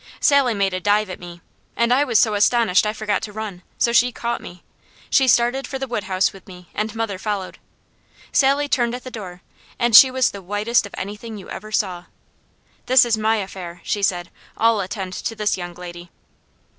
Sally made a dive at me, and I was so astonished I forgot to run, so she caught me. She started for the wood house with me, and mother followed. Sally turned at the door and she was the whitest of anything you ever saw. "This is my affair," she said. "I'll attend to this young lady."